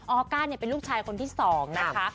ออก้าเป็นลูกชายคนที่๒นะคะ